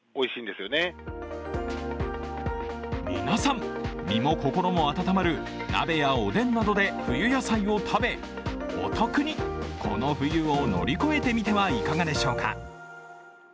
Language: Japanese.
皆さん、身も心も温まる鍋やおでんなどで冬野菜を食べお得にこの冬を乗り越えてみてはいかがでしょうか。